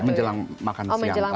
menjelang makan siang